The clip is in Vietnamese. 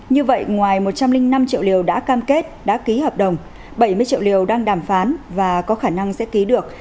như vậy ngoài một trăm linh năm triệu liều đã cam kết đã ký hợp đồng bảy mươi triệu liều đang đàm phán và có khả năng sẽ ký được